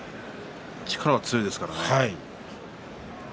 力は強いですからね。